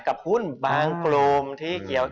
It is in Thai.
กับหุ้นบางกลมที่